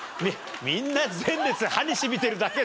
みんな前列歯にしみてるだけで。